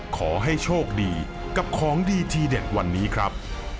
ขอให้โชคดีกับของดีทีเด็ดวันนี้ครับ